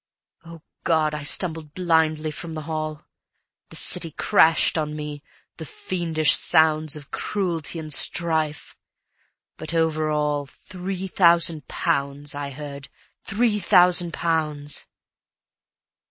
... O God! I stumbled blindly from the hall; The city crashed on me, the fiendish sounds Of cruelty and strife, but over all "Three thousand pounds!" I heard; "Three thousand pounds!"